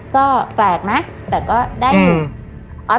ก็แปลกนะแต่ก็ได้อยู่